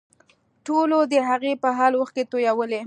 ټولو د هغې په حال اوښکې تویولې